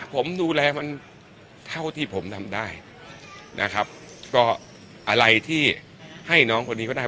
ผมดูแลมันเท่าที่ผมทำได้นะครับก็อะไรที่ให้น้องคนนี้ก็ได้